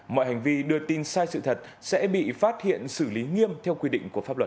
mọi hành vi đưa tin sai sự thật sẽ bị phát hiện xử lý nghiêm theo quy định của pháp luật